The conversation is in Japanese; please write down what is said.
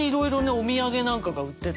お土産なんかが売ってて。